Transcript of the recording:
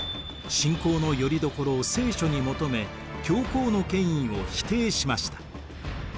信仰のよりどころを聖書に求め教皇の権威を否定しました。